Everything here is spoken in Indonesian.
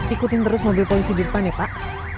ikutin terus mobil polisi di depan ya pak